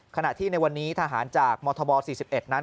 ขณะที่ในวันนี้ทหารจากมธบ๔๑นั้น